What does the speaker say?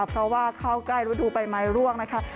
เพราะว่าเข้าใกล้ฤดูใบไม้ร่วงนะคะ